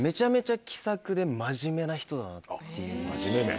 真面目ね。